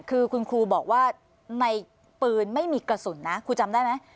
คือคุณครูบอกว่าในปืนไม่มีกระสุนนะครูจำได้ไหม